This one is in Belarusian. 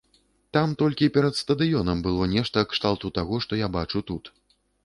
Там толькі перад стадыёнам было нешта кшталту таго, што я бачу тут.